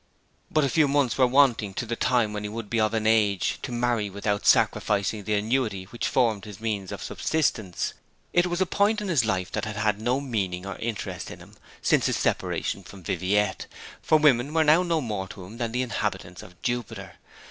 But a few months were wanting to the time when he would be of an age to marry without sacrificing the annuity which formed his means of subsistence. It was a point in his life that had had no meaning or interest for him since his separation from Viviette, for women were now no more to him than the inhabitants of Jupiter.